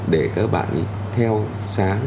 để các bạn theo sáng